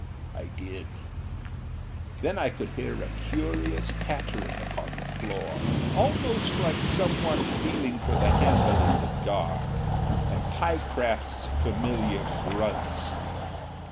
I did. Then I could hear a curious pattering upon the door, almost like some one feeling for the handle in the dark, and Pyecraft's familiar grunts.